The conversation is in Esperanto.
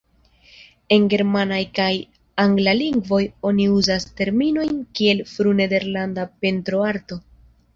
En germana kaj angla lingvoj oni uzas terminojn kiel "fru-nederlanda pentroarto".